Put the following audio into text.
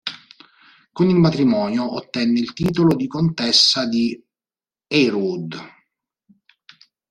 Con il matrimonio ottenne il titolo di "contessa di Harewood".